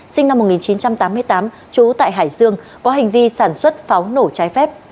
sinh năm một nghìn chín trăm tám mươi tám trú tại hải dương có hành vi sản xuất pháo nổ trái phép